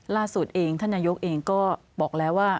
ล่าสุดเองท่านนายกเองก็บอกแล้วว่า